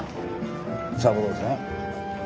三郎さん？